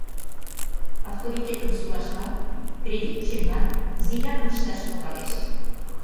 — Авторитетым сулашлан кредит ушемлан зияным ышташ логалеш.